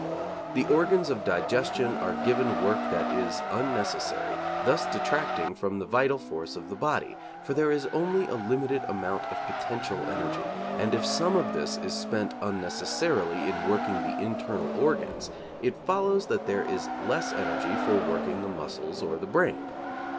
The organs of digestion are given work that is unnecessary, thus detracting from the vital force of the body, for there is only a limited amount of potential energy, and if some of this is spent unnecessarily in working the internal organs, it follows that there is less energy for working the muscles or the brain.